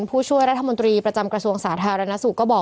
เพื่อไม่ให้เชื้อมันกระจายหรือว่าขยายตัวเพิ่มมากขึ้น